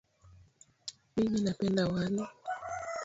Mimi napenda wali.